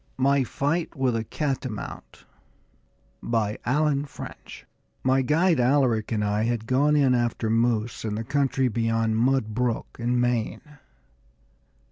MY FIGHT WITH A CATAMOUNT By Allen French My guide, Alaric, and I had gone in after moose to the country beyond Mud Brook, in Maine.